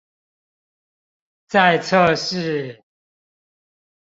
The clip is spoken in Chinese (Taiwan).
在測試